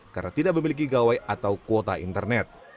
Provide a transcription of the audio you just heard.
karena tidak memiliki gawai atau kuota internet